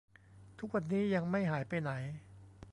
ทุกวันนี้ยังไม่หายไปไหน